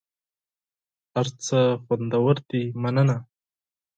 هر څه خوندور دي مننه .